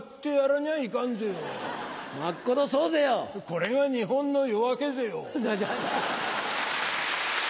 これが日本の夜明けぜよ。